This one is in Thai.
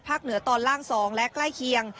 เหนือตอนล่าง๒และใกล้เคียง